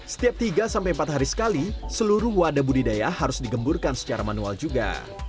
setiap tiga sampai empat hari sekali seluruh wadah budidaya harus digemburkan secara manual juga